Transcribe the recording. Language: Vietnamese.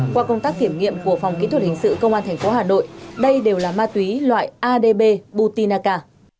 qua công tác kiểm nghiệm của phòng kỹ thuật hình sự công an tp hà nội đây đều là ma túy loại adbutinaka